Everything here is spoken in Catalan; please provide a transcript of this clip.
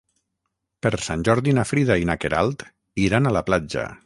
Per Sant Jordi na Frida i na Queralt iran a la platja.